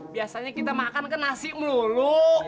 biasanya kita makan kan nasi melulu